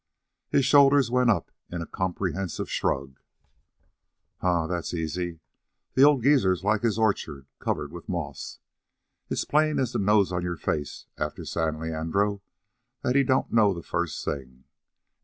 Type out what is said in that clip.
His shoulders went up in a comprehensive shrug. "Huh! That's easy. The old geezer's like his orchard covered with moss. It's plain as the nose on your face, after San Leandro, that he don't know the first thing.